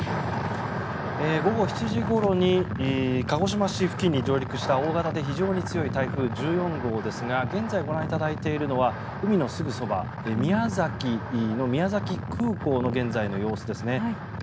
午後７時ごろに鹿児島市付近に上陸した大型で非常に強い台風１４号ですが現在、ご覧いただいているのは海のすぐそば宮崎の宮崎空港の現在の様子ですね。